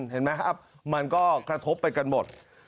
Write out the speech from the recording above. เห็นไหมครับมันก็กระทบไปกันหมด